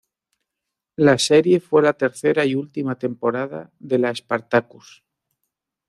La serie fue la tercera y última temporada de la "Spartacus".